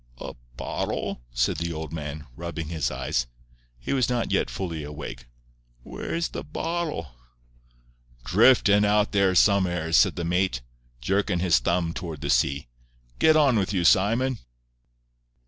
"A bottle?" said the old man, rubbing his eyes. He was not yet fully awake. "Where is the bottle?" "Driftin' along out there some'eres," said the mate, jerking his thumb toward the sea. "Get on with you, Simon."